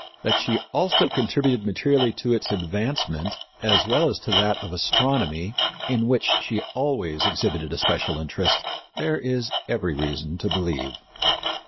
That she also contributed materially to its advancement, as well as to that of astronomy, in which she always exhibited a special interest, there is every reason to believe.